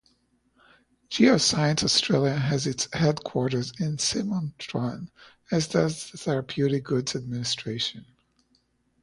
Geoscience Australia has its headquarters in Symonston, as does the Therapeutic Goods Administration.